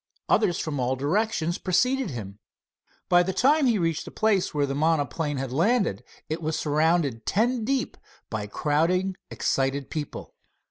Others from all directions preceded him. By the time he reached the place where the monoplane had landed, it was surrounded ten deep by crowding excited people.